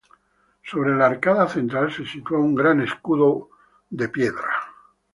Sobre la arcada central se sitúa un gran escudo borbónico de piedra.